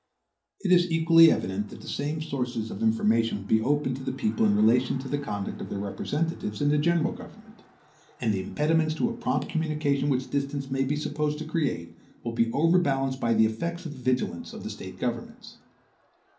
It is equally evident that the same sources of information would be open to the people in relation to the conduct of their representatives in the general government, and the impediments to a prompt communication which distance may be supposed to create, will be overbalanced by the effects of the vigilance of the State governments.